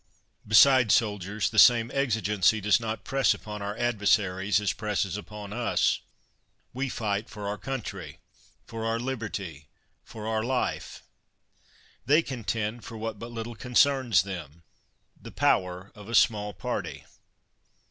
Besides, soldiers, the same exigency does not press upon our adver saries, as presses upon us ; we fight for our coun try, for our liberty, for our life; they contend for what but little concerns them, the power of a small party.